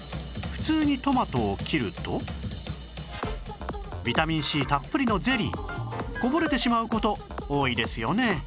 普通にトマトを切るとビタミン Ｃ たっぷりのゼリーこぼれてしまう事多いですよね